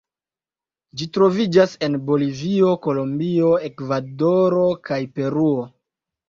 Ĝi troviĝas en Bolivio, Kolombio, Ekvadoro kaj Peruo.